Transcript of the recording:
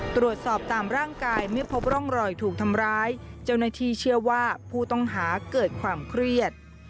ตรวจสอบตามร่างกายไม่พบร่องรอยถูกทำร้ายเจ้าหน้าที่เชื่อว่าผู้ต้องหาเกิดความเครียด